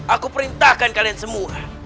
aku perintahkan kalian semua